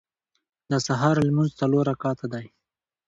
د سهار لمونځ څلور رکعته دی.